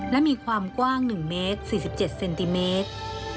และมีความกว้าง๑เมตร๔๗เซนติเมตร